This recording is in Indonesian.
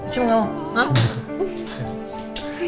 cium gak mau